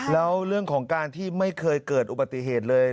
แล้วเรื่องของการที่ไม่เคยเกิดอุบัติเหตุเลย